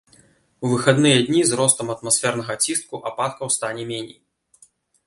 У выхадныя дні з ростам атмасфернага ціску ападкаў стане меней.